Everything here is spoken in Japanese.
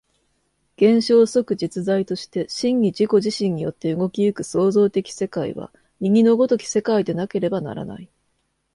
現象即実在として真に自己自身によって動き行く創造的世界は、右の如き世界でなければならない。